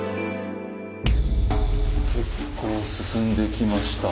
結構進んできました。